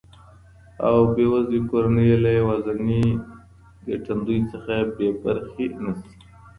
او بې وزلی کور یې له یوازیني ګټندوی څخه بې برخي نه سي.